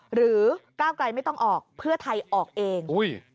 หรือก้าวไกลไม่ต้องออกเพื่อไทยออกเอง